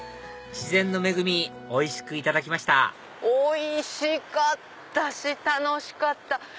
自然の恵みおいしくいただきましたおいしかったし楽しかった。